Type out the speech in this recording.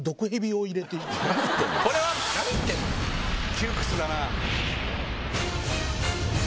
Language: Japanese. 窮屈だなぁ。